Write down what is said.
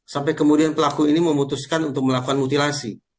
sampai kemudian pelaku ini memutuskan untuk melakukan mutilasi